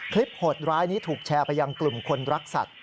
โหดร้ายนี้ถูกแชร์ไปยังกลุ่มคนรักสัตว